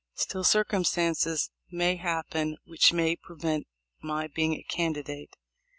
Still, circumstances may happen which may prevent my being a candi date.